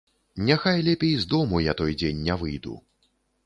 Няхай лепей з дому я той дзень не выйду.